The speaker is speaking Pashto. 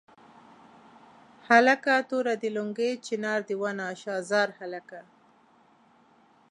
هلکه توره دې لونګۍ چنار دې ونه شاه زار هلکه.